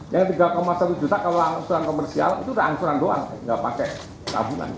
yang tiga satu juta kalau usulan komersial itu udah angsuran doang nggak pakai tabungan